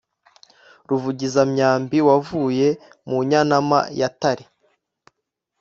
Ruvugizamyambi wavuye mu nyanama ya Tare,